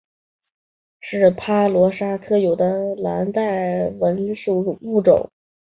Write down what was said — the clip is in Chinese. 莫氏蓝带蚊是婆罗洲沙巴特有的的蓝带蚊属物种。